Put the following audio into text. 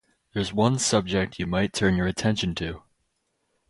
There's one subject you might turn your attention to.